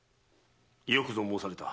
よくぞ申された。